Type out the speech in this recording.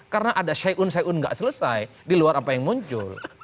karena ada syaiun saiun gak selesai di luar apa yang muncul